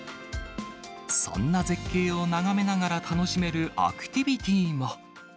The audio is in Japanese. そんな絶景を眺めながら楽しめるアクティビティーが。